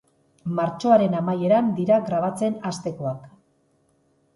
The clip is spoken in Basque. Martxoaren amaieran dira grabatzen hastekoak.